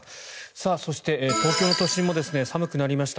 そして東京都心も寒くなりました。